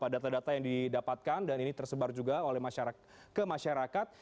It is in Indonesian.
data data yang didapatkan dan ini tersebar juga ke masyarakat